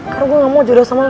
karena gue gak mau jodoh sama lo